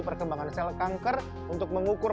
perkembangan sel kanker untuk mengukur